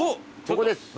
ここです！